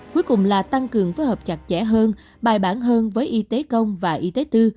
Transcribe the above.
cuối cùng là tăng cường phối hợp chặt chẽ hơn bài bản hơn với y tế công và y tế tư